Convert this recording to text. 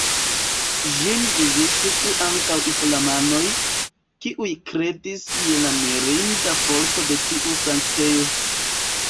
Ĝin vizitis ankaŭ islamanoj, kiuj kredis je la mirinda forto de tiu sanktejo.